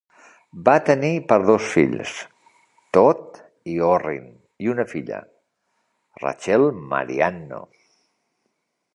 Va tenir per dos fills, Todd i Orrin, i una filla, Rachel Marianno.